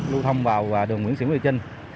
lưu thông vào đường nguyễn siễn nguyễn trinh